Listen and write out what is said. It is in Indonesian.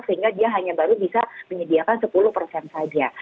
sehingga dia hanya baru bisa menyediakan sepuluh saja